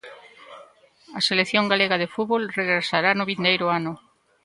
A selección galega de fútbol regresará no vindeiro ano.